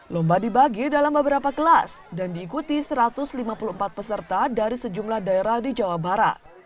lomba dibagi dalam beberapa kelas dan diikuti satu ratus lima puluh empat peserta dari sejumlah daerah di jawa barat